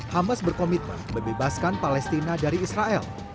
hamas berkomitmen membebaskan palestina dari israel